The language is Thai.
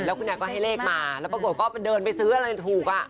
มาให้เลขมาแล้วปรากฏก็เดินไปซื้ออะไรทุกอ่ะ